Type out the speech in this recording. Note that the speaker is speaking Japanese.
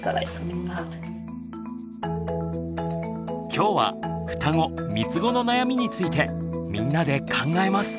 今日は「ふたご・みつごの悩み」についてみんなで考えます。